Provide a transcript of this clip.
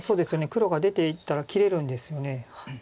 黒が出ていったら切れるんですよね。